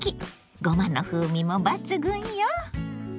ごまの風味も抜群よ！